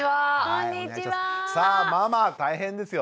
さあママ大変ですよね。